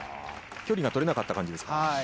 距離が取れなかった感じですか。